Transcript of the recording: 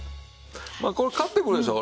まあこれ買ってくるでしょう。